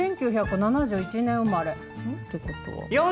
１９７１年生まれって事は。